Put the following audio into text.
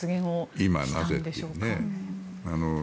今なぜというね。